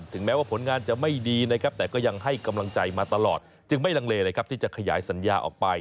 แม้ว่าผลงานจะไม่ดีนะครับแต่ก็ยังให้กำลังใจมาตลอดจึงไม่ลังเลนะครับที่จะขยายสัญญาออกไป